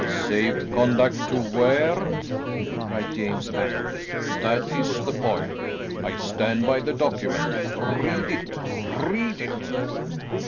"Safe conduct to where?" cried James angrily, "that is the point. I stand by the document; read it; read it!"